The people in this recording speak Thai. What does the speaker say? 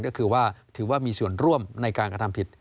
ก็คือว่าถือว่ามีส่วนร่วมในการกระทำผิด